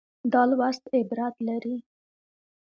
دا لوست عبرت لري.